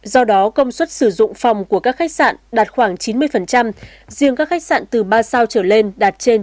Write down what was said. do đó công suất sử dụng phòng của các khách sạn đạt khoảng chín mươi riêng các khách sạn từ ba sao trở lên đạt trên chín mươi